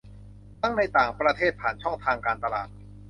ทั้งในต่างประเทศผ่านช่องทางการตลาด